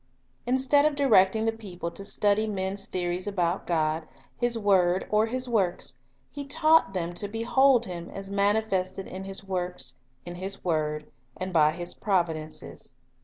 Instead of directing the people to study men's the ories about God, His word, or His works, He taught them to behold Him, as manifested in His works, in His word, and by His providences.